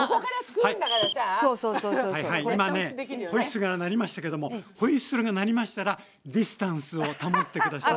ホイッスルが鳴りましたけれどもホイッスルが鳴りましたらディスタンスを保って下さいね。